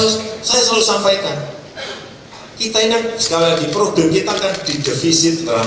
saya selalu sampaikan kita ingat sekali lagi problem kita kan di defisit